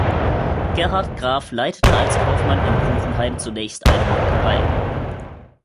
Gerhard Graf leitete als Kaufmann in Kuchenheim zunächst eine Molkerei.